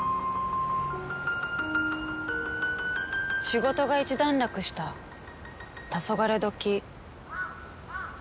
仕事が一段落したたそがれ時。